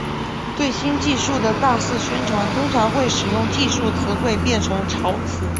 对新技术的大肆宣传通常会使技术词汇变成潮词。